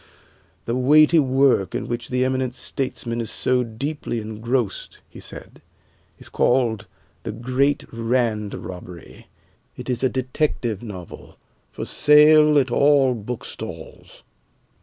"The weighty work in which the eminent statesman is so deeply engrossed," he said, "is called 'The Great Rand Robbery.' It is a detective novel, for sale at all bookstalls."